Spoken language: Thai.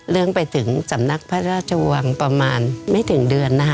เรื่องไปถึงสำนักพระราชวังประมาณไม่ถึงเดือนนะคะ